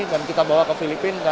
dan saya akan membawa ke filipina